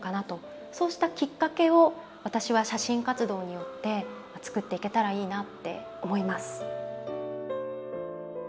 そうしたきっかけを私は写真活動によって作っていけたらいいなって思います。